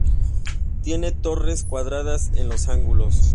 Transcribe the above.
Tiene torres cuadradas en los ángulos.